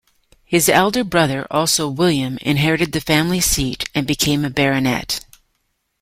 His elder brother, also William inherited the family seat and became a baronet.